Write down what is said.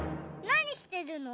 なにしてるの？